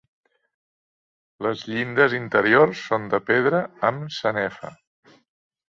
Les llindes interiors són de pedra amb sanefa.